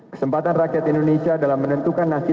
kesempatan rakyat indonesia dalam menentukan nasib bangsa kita